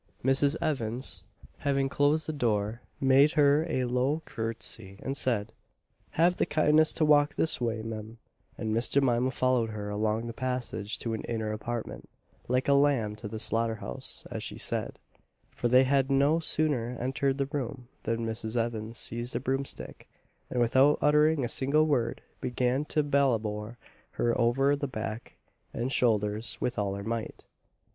Mrs. Evans, having closed the door, made her a low courtesy, and said, "Have the kindness to walk this way, Mem;" and Miss Jemima followed her along the passage to an inner apartment, like a lamb to the slaughter house, as she said; for they had no sooner entered the room, than Mrs. Evans seized a broomstick, and without uttering a single word, began to belabour her over the back and shoulders with all her might!